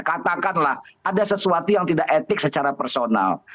katakanlah ada sesuatu yang tidak etik secara personal